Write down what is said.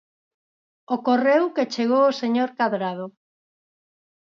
Ocorreu que chegou o señor Cadrado.